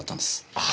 ああ